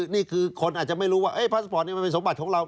นี่คือคนอาจจะไม่รู้ว่าพาสปอร์ตนี้มันเป็นสมบัติของเรา